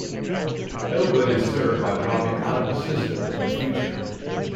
No good is served by dropping out of the system in the future.